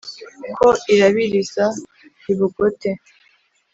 ko irabiriza i bugote